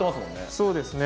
そうですね。